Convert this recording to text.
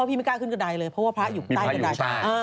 พี่ไม่กล้าขึ้นกระดายเลยเพราะว่าพระอยู่ใต้กระดาย